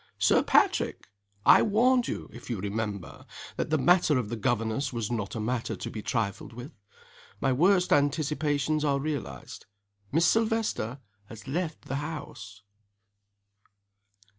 "Sir Patrick! I warned you (if you remember?) that the matter of the governess was not a matter to be trifled with. My worst anticipations are realized. Miss Silvester has left the house!"